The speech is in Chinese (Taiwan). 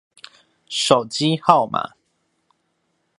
手機號碼